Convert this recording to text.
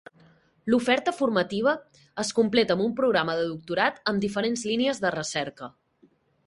L'oferta formativa es completa amb un programa de doctorat amb diferents línies de recerca.